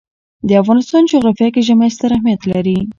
د افغانستان جغرافیه کې ژمی ستر اهمیت لري.